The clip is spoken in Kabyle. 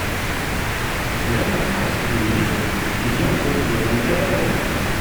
Lemmer tḥesseḍ-iyi-d, tili ur d-yeḍṛi ara waya.